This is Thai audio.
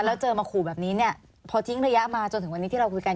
แล้วเจอมาขู่แบบนี้เนี่ยพอทิ้งระยะมาจนถึงวันนี้ที่เราคุยกัน